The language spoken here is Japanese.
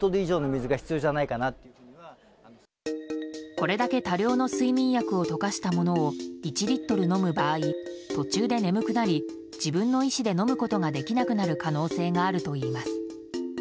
これだけ多量の睡眠薬を溶かしたものを１リットル飲む場合途中で眠くなり自分の意思で飲むことができなくなる可能性があるといいます。